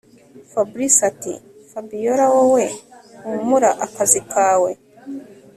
Fabric atiFabiora wowe humura akazi kawe